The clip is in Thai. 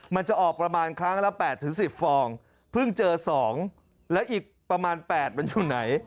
มันจะออกประมาณครั้งละ๘๑๐ฟองเพิ่งเจอ๒และอีกประมาณ๘มันอยู่ไหน